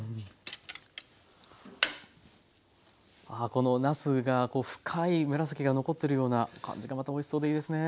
このなすがこう深い紫が残ってるような感じがまたおいしそうでいいですね。